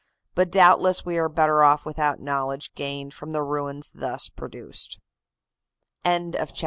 But doubtless we are better off without knowledge gained from ruins thus produced. CHAPTER XXII.